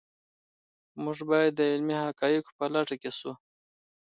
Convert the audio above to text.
موږ باید د علمي حقایقو په لټه کې شو.